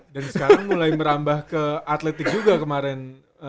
dan sekarang mulai merambah ke atletik juga kemarin